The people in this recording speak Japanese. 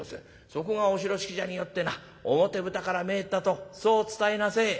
そこがお広敷じゃによってな表ぶたから参ったとそう伝えなせえ」。